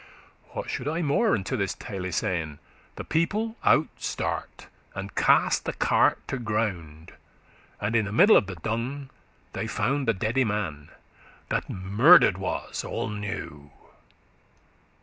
What should I more unto this tale sayn? The people out start, and cast the cart to ground And in the middle of the dung they found The deade man, that murder'd was all new.